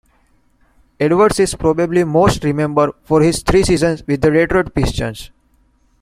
Edwards is probably most remembered for his three seasons with the Detroit Pistons.